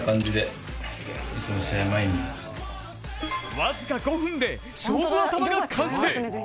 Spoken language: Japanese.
僅か５分で勝負頭が完成。